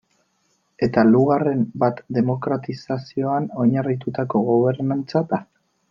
Eta laugarren bat demokratizazioan oinarritutako gobernantza da.